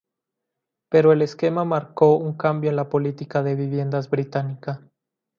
Pero el esquema marcó un cambio en la política de viviendas británica.